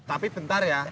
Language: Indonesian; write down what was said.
tapi bentar ya